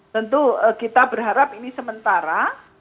tentu kita berharap ini sementara